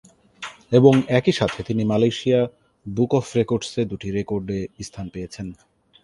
এবং একই সাথে তিনি মালয়েশিয়া বুক অফ রেকর্ডসে দুটি রেকর্ডে স্থান পেয়েছেন।